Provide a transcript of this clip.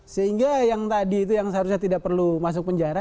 sehingga yang tadi itu yang seharusnya tidak perlu masuk penjara